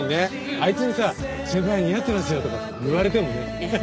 あいつにさ先輩似合ってますよとかって言われてもね。